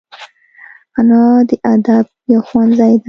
انا د ادب یو ښوونځی ده